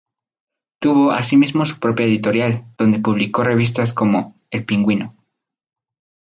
Tuvo asimismo su propia editorial, donde publicó revistas como "El Pingüino".